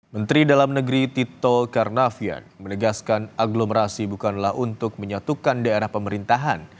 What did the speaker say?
menteri dalam negeri tito karnavian menegaskan aglomerasi bukanlah untuk menyatukan daerah pemerintahan